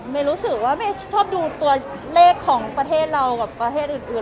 รู้สึกว่าเมย์ชอบดูตัวเลขของประเทศเรากับประเทศอื่น